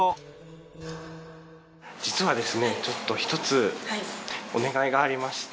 実はですねちょっとひとつお願いがありまして。